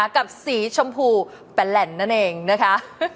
กับสีชมพูแปะแหล่นนั่นเองนะคะ